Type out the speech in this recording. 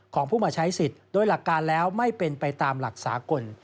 ของผู้มาใช้สิทธิ์โดยหลักการแล้วไม่เป็นไปตามหลักสากล